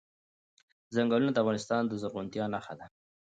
چنګلونه د افغانستان د زرغونتیا نښه ده.